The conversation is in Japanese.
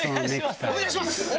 お願いします！